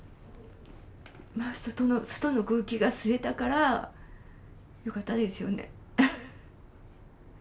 外の空気が吸えたからよかったですよね。